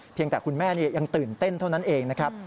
คุณแม่ยังตื่นเต้นเท่านั้นเองนะครับ